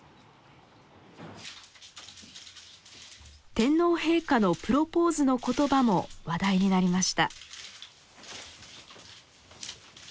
天皇陛下のプロポーズのことばも話題になりました。